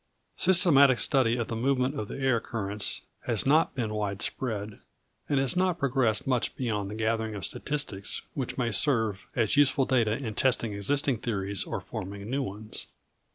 ] Systematic study of the movements of the air currents has not been widespread, and has not progressed much beyond the gathering of statistics which may serve as useful data in testing existing theories or formulating new ones.